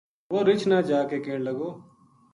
وہ رچھ نا جا کے کہن لگو